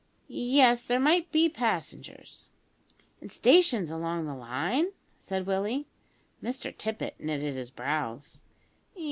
Yes, there might be passengers." "An' stations along the line?" said Willie. Mr Tippet knitted his brows.